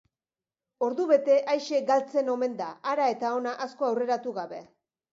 Ordu bete aise galtzen omen da hara eta hona asko aurreratu gabe.